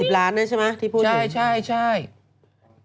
๘๐ล้านนะใช่ไหมที่พูด